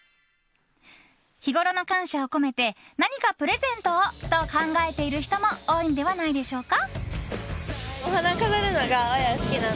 日ごろの感謝を込めて何かプレゼントをと考えている人も多いのではないでしょうか。